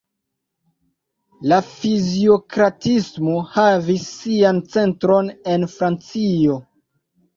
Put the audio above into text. La fiziokratismo havis sian centron en Francio.